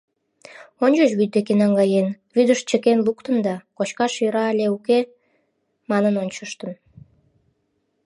Ончыч вӱд деке наҥгаен, вӱдыш чыкен луктын да, «кочкаш йӧра але уке» манын ончыштын.